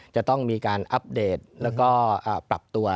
จะต้องมีการอัปเดตแล้วก็ปรับตัว